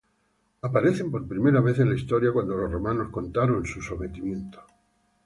Aparecen por primera vez en la historia cuando los romanos contaron su sometimiento.